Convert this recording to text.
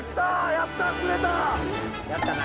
やったな。